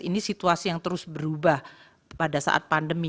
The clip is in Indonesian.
ini situasi yang terus berubah pada saat pandemi